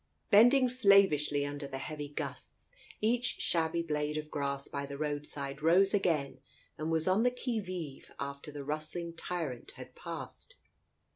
Bend ing slavishly under the heavy gusts, each shabby blade of grass by the roadside rose again and was on the qui vive after the rustling tyrant had passed.